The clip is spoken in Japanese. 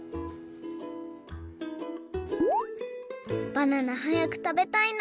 バナナはやくたべたいな。